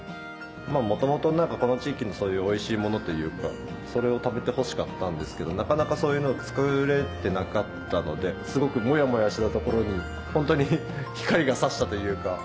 元々この地域のそういうおいしいものというかそれを食べてほしかったんですけどなかなかそういうのを作れてなかったのですごくモヤモヤしてたところに本当に光が差したというか。